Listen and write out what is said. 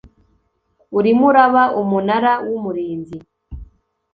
urimo uraba Umunara w Umurinzi